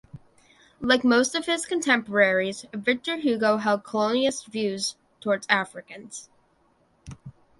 Like most of his contemporaries, Victor Hugo held colonialist views towards Africans.